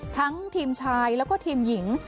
ทั้งทีมชายแล้วก็ทีมหญิง